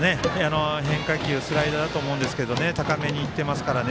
変化球スライダーだと思うんですが高めにいってますからね。